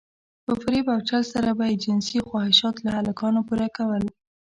په فريب او چل سره به يې جنسي خواهشات له هلکانو پوره کول.